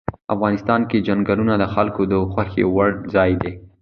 افغانستان کې چنګلونه د خلکو د خوښې وړ ځای دی.